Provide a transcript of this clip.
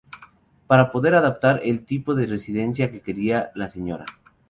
Para poder adaptar el tipo de residencia que quería la Sra.